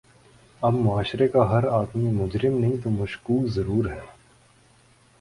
اب معاشرے کا ہر آدمی مجرم نہیں تو مشکوک ضرور ہے۔